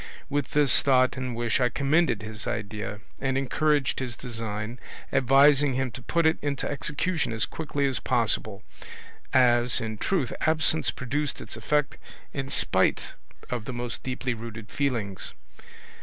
With this thought and wish I commended his idea and encouraged his design, advising him to put it into execution as quickly as possible, as, in truth, absence produced its effect in spite of the most deeply rooted feelings.